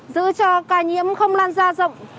giữ cho ca nhiễm không lan ra rộng